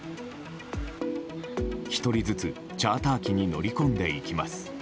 １人ずつチャーター機に乗り込んでいきます。